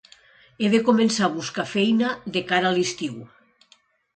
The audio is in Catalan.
He començat a buscar feina de cara a l'estiu.